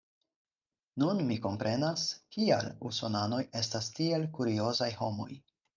Nun mi komprenas, kial usonanoj estas tiel kuriozaj homoj.